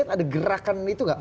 ada gerakan itu tidak